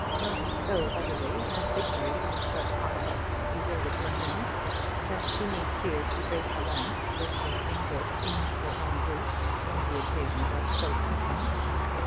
Not so utterly had victory in such contests deserted her hands, that she need fear to break a lance with Miss Amedroz beneath her own roof, when the occasion was so pressing.